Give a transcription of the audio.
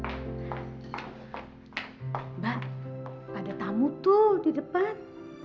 mbak ada tamu tuh di depan